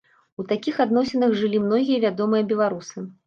У такіх адносінах жылі многія вядомыя беларусы.